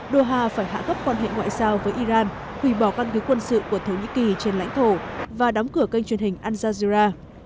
doha phải hạ gấp quan hệ ngoại giao với iran hủy bỏ căn cứ quân sự của thổ nhĩ kỳ trên lãnh thổ và đóng cửa kênh truyền hình alzajira